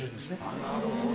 なるほど。